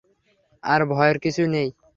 আর ভয়ের কিছু নেই।